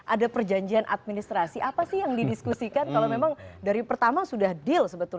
ada perjanjian administrasi apa sih yang didiskusikan kalau memang dari pertama sudah deal sebetulnya